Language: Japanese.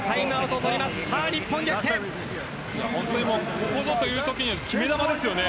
ここぞというときの決め球ですよね。